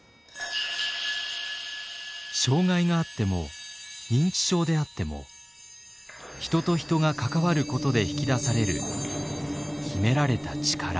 障害があっても認知症であっても人と人が関わることで引き出される秘められた力。